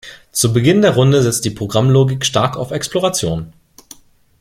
Zu Beginn der Runde setzt die Programmlogik stark auf Exploration.